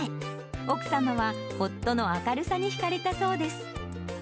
奥様は夫の明るさに引かれたそうです。